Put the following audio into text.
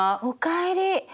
おかえり。